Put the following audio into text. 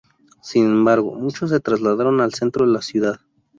Sin embargo, muchos se trasladaron al centro de la ciudad.